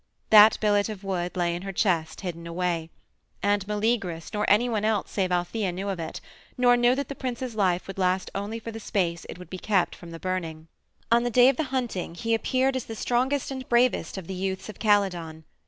That billet of wood lay in her chest, hidden away. And Meleagrus nor any one else save Althæa knew of it, nor knew that the prince's life would last only for the space it would be kept from the burning. On the day of the hunting he appeared as the strongest and bravest of the youths of Calydon.